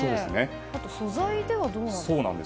あと素材ではどうなんでしょう。